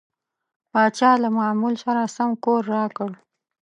پاچا له معمول سره سم کور راکړ.